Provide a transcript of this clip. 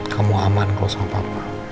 kamu aman kalau sama papa